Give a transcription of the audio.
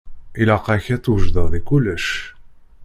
Ilaq-ak ad twejdeḍ i kullec.